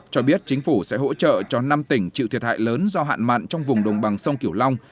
cho biết chính phủ sẽ hỗ trợ cho năm tỉnh chịu thiệt hại lớn do hạn mặn trong vùng đồng bằng sông kiểu long